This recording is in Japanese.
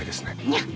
にゃっ。